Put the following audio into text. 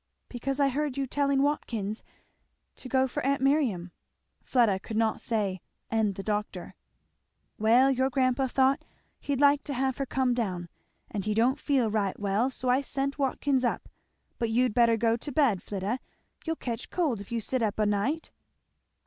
"Because I heard you telling Watkins to go for aunt Miriam." Fleda could not say, "and the doctor." "Well your grandpa thought he'd like to have her come down, and he don't feet right well, so I sent Watkins up; but you'd better go to bed, Flidda; you'll catch cold if you sit up o'night."